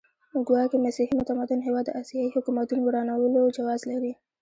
ګواکې مسیحي متمدن هېواد د اسیایي حکومتونو ورانولو جواز لري.